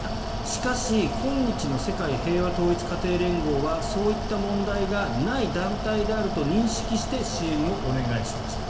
しかし、今日の世界平和統一家庭連合はそういった問題がない団体であると認識して支援をお願いしました。